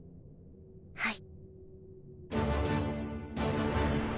はい。